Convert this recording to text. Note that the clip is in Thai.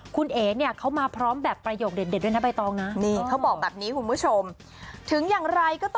คุณเอ๋เนี่ยเขามาพร้อมแบบประโยคเด็ดด้วยนะใบตองนะ